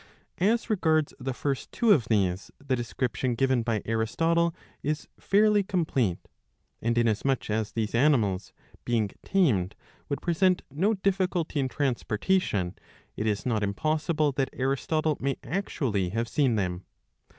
As regards the first two of these, the description given by Aristotle is fairly complete ; and inasmuch as these animals, being tamed, would present no difficulty in transportation, it is not impossible that Aristotle may actually have seen them.